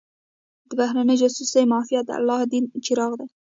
د بهرنۍ جاسوسۍ معافیت د الله دین چراغ دی.